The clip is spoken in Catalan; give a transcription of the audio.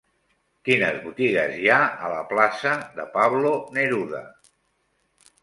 Quines botigues hi ha a la plaça de Pablo Neruda?